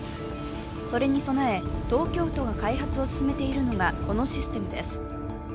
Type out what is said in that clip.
それに備え、東京都が開発を進めているのがこのシステムです。